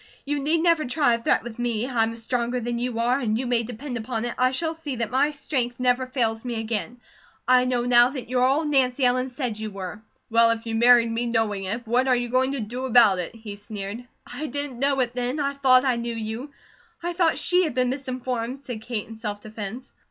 "You need never try a threat with me. I am stronger than you are, and you may depend upon it I shall see that my strength never fails me again. I know now that you are all Nancy Ellen said you were." "Well, if you married me knowing it, what are you going to do about it?" he sneered. "I didn't know it then. I thought I knew you. I thought she had been misinformed," said Kate, in self defence.